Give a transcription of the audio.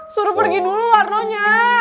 suruh pergi dulu warnonya